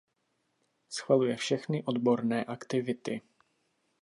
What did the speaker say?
Schvaluje všechny odborné aktivity.